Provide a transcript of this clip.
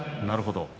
なるほど。